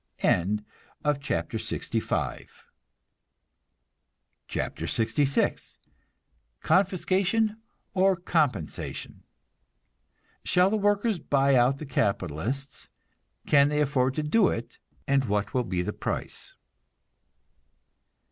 CHAPTER LXVI CONFISCATION OR COMPENSATION (Shall the workers buy out the capitalists? Can they afford to do it, and what will be the price?)